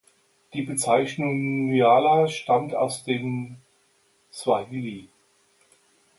Die Bezeichnung Nyala stammt aus dem Swahili.